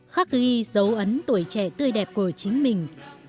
khắc ghi dấu ấn tuổi trẻ tươi đẹp của chính mình